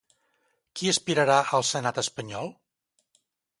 Qui aspirarà al Senat espanyol?